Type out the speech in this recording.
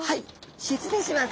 失礼します。